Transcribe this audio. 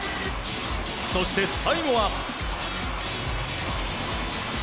そして最後は。